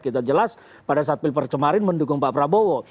kita jelas pada saat pilpres kemarin mendukung pak prabowo